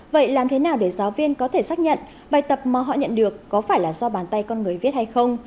vậy làm thế nào để giáo viên có thể xác nhận bài tập mà họ nhận được có phải là do bàn tay con người viết hay không